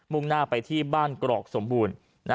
่งหน้าไปที่บ้านกรอกสมบูรณ์